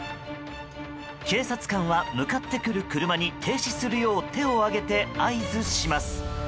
警察官は向かってくる車に停止するよう手を上げて合図します。